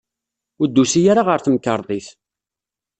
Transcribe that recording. Ur d-tusi ara ɣer temkarḍit.